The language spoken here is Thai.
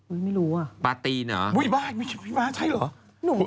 อุ๊ยไม่รู้อ่ะปัตตีนหรืออุ๊ยว้ายพี่พี่ว้ายใช่หรือ